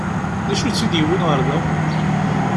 D acu i tt-id-yewwin ɣer da?